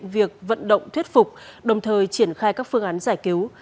việc vận động thuyết phục đồng thời triển khai các phương án giải cứu